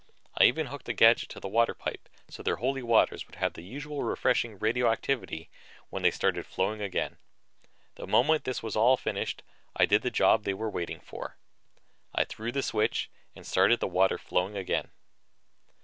I even hooked a gadget to the water pipe so their Holy Waters would have the usual refreshing radioactivity when they started flowing again. The moment this was all finished, I did the job they were waiting for. I threw the switch that started the water flowing again.